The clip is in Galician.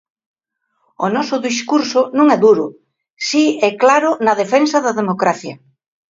O noso discurso non é duro, si é claro na defensa da democracia.